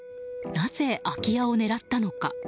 なぜ空き家を狙ったのか。